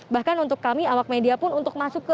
bahkan untuk kami awak media pun untuk masuk ke